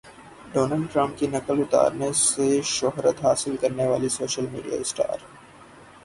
Donald Trump کی نقل اتارنے سے شہرت حاصل کرنے والی سوشل میڈیا اسٹار